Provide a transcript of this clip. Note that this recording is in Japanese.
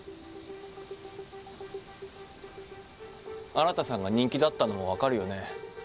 新さんが人気だったのも分かるよね。